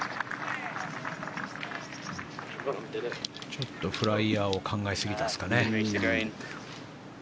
ちょっとフライヤーを考えすぎましたかね。